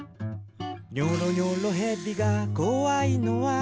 「ニョロニョロへびがこわいのは？」